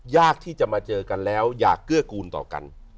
ยากที่จะมาเจอกันแล้วอยากเกื้อกูลต่อกัน